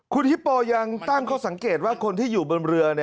คุณฮิปโปยังตั้งข้อสังเกตว่าคนที่อยู่บนเรือ